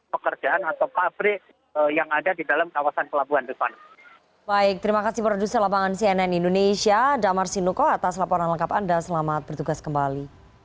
sekarang muat dan pekerjaan atau pabrik yang ada di dalam kawasan pelabuhan depan